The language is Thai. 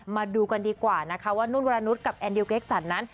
มาดูกันดีกว่านะคะว่านุ่นวรนุษย์กับแอนดิวเกคสันนั้น